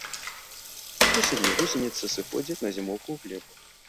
Восенню гусеніцы сыходзяць на зімоўку ў глебу.